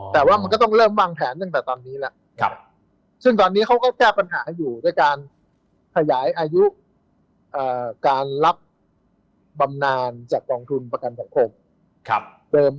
แต่ว่ามันก็ต้องเริ่มวางแผนตั้งแต่ตอนนี้แล้วซึ่งตอนนี้เขาก็แก้ปัญหาอยู่ด้วยการขยายอายุการรับบำนานจากกองทุนประกันสังคม